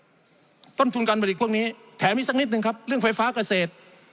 คุณต้อนทุนการประดิษฐ์พวกนี้แถมนี้เรื่องไฟฟ้าเกษตร